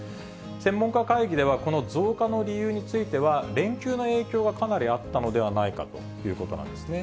専門家会議では、この増加の理由については、連休の影響がかなりあったのではないかということなんですね。